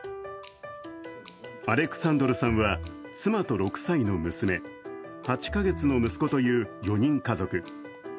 アレクサンドルさんは妻と６歳の娘、８カ月の息子という４人家族。